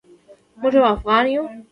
موږ یو افغان یو.